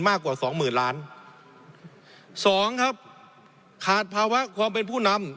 กว่าสองหมื่นล้านสองครับขาดภาวะความเป็นผู้นำ